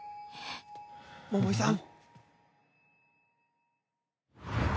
桃井さん！